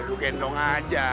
lu gendong aja